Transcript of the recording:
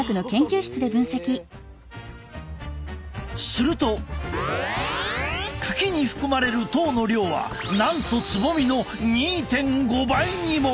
すると茎に含まれる糖の量はなんとつぼみの２．５倍にも！